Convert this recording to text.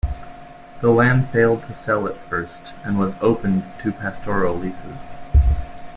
The land failed to sell at first and was opened to pastoral leases.